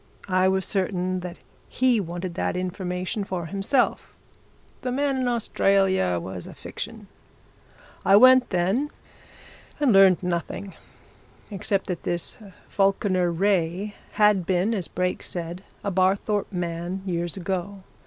I was certain that he wanted that information for himself the man in Australia was a fiction. I went, then and learned nothing. Except that this Falkiner Wraye had been, as Brake said, a Barthorpe man, years ago.